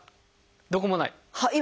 どこもない？